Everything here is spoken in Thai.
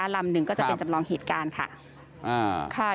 ลำหนึ่งก็จะเป็นจำลองเหตุการณ์ค่ะ